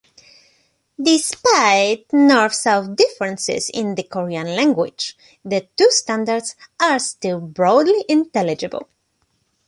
Despite North-South differences in the Korean language, the two standards are still broadly intelligible.